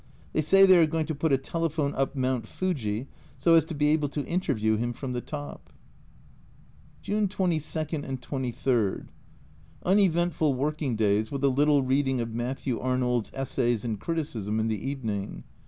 They say they are going to put a telephone up Mount Fuji, so as to be able to interview him from the top ! June 22 and 23. Uneventful working days, with a little reading of Matthew Arnold's Essays in Criticism in the evening.